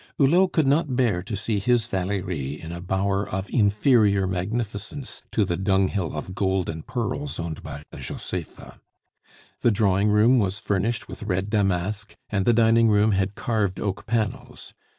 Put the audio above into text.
Hulot could not bear to see his Valerie in a bower of inferior magnificence to the dunghill of gold and pearls owned by a Josepha. The drawing room was furnished with red damask, and the dining room had carved oak panels.